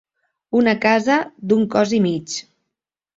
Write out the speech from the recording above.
Una casa d'un cos i mig.